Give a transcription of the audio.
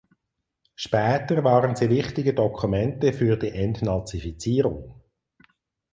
Später waren sie wichtige Dokumente für die Entnazifizierung.